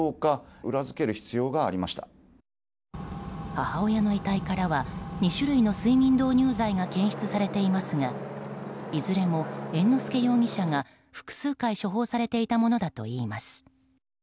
母親の遺体からは２種類の睡眠導入剤が検出されていますがいずれも猿之助容疑者が複数回処方されていたものだといいます。